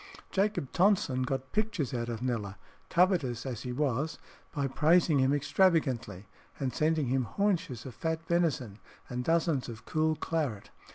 Jacob Tonson got pictures out of Kneller, covetous as he was, by praising him extravagantly, and sending him haunches of fat venison and dozens of cool claret.